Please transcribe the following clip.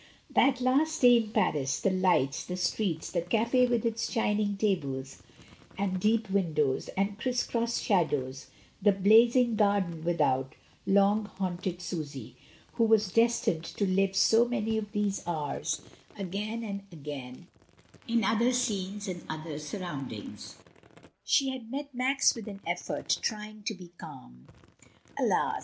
That last day in Paris, the lights, the streets, the caf6 with its shining tables and deep windows and criss cross shadows, the blazing gardens without, long haunted Susy, who was destined tc live so many of these hours again and again, in other scenes and other surroimdings. She had met Max with an effort, trying to be calm. Alas!